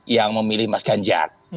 yang memilih mas ganjar